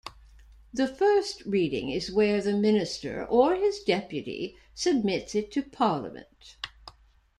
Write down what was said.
The first reading is where the minister or his deputy submits it to Parliament.